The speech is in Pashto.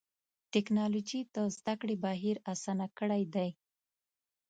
ټکنالوجي د زدهکړې بهیر آسانه کړی دی.